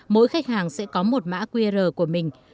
mỗi khách hàng sẽ có một mã qr của mình